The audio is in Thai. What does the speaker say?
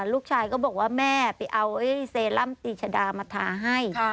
ลูกชายก็บอกว่าแม่ไปเอาเซรั่มตีชดามาทาให้